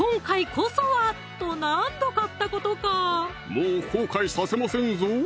もう後悔させませんぞ